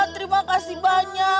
terima kasih banyak